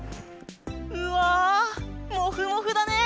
うわあモフモフだね！